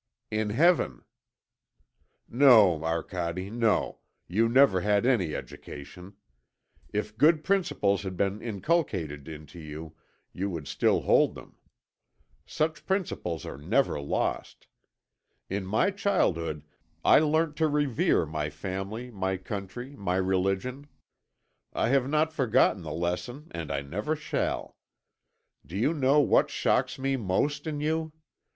"In Heaven." "No, Arcade, no; you never had any education. If good principles had been inculcated into you, you would still hold them. Such principles are never lost. In my childhood I learnt to revere my family, my country, my religion. I have not forgotten the lesson and I never shall. Do you know what shocks me most in you?